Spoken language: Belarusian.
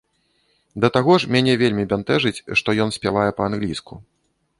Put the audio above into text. Да таго ж, мяне вельмі бянтэжыць, што ён спявае па-англійску.